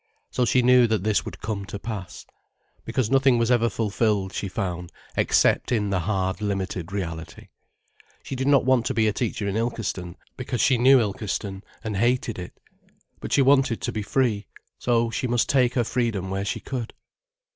So she knew that this would come to pass. Because nothing was ever fulfilled, she found, except in the hard limited reality. She did not want to be a teacher in Ilkeston, because she knew Ilkeston, and hated it. But she wanted to be free, so she must take her freedom where she could.